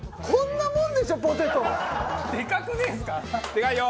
でかいよ！